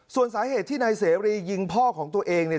ส่วนสาเหตุที่นายเสรียิงพ่อของตัวเองเนี่ย